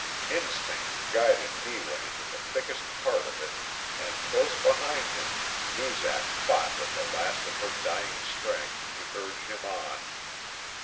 Instinct guided Neewa into the thickest part of it, and close behind him Noozak fought with the last of her dying strength to urge him on.